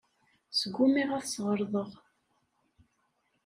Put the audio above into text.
Sgumiɣ ad t-ssɣelḍeɣ.